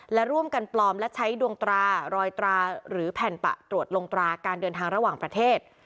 และร่วมกันปลอมและใช้ดวงตรารอยตราหรือแผ่นปะตรวจลงตราการเดินทางระหว่างประเทศ